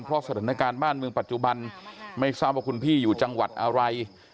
เพราะสถานการณ์บ้านเมืองปัจจุบันไม่ทราบว่าคุณพี่อยู่จังหวัดอะไร